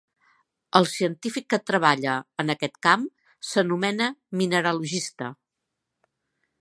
El científic que treballa en aquest camp s'anomena mineralogista.